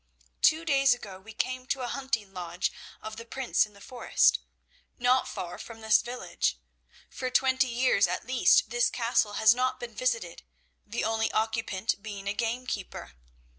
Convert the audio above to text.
"Two days ago we came to a hunting lodge of the Prince in the forest, not far from this village. For twenty years at least this castle has not been visited, the only occupant being a gamekeeper.